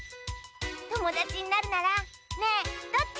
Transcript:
ともだちになるならねえどっち？